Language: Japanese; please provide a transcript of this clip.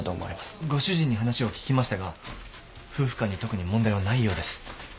ご主人に話を聞きましたが夫婦間に特に問題はないようです。